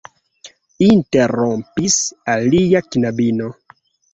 interrompis alia knabino.